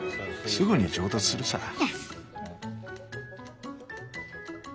すぐに上達するさ。